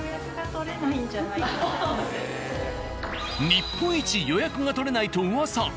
日本一予約が取れないと噂！